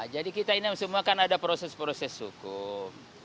jadi kita ini semua kan ada proses proses hukum